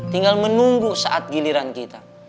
tinggal menunggu saat giliran kita